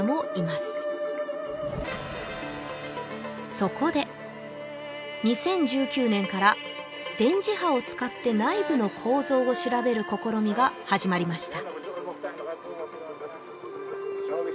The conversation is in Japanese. そこで２０１９年から電磁波を使って内部の構造を調べる試みが始まりました